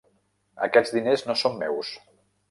Aquests diners no són meus!